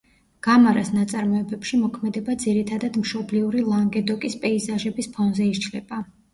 გამარას ნაწარმოებებში მოქმედება ძირითადად მშობლიური ლანგედოკის პეიზაჟების ფონზე იშლება.